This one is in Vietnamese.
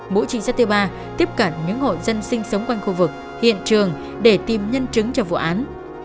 mỗi trình sát thứ ba tiếp cận những hội dân sinh sống quanh khu vực hiện trường để tìm nhân chứng cho vụ án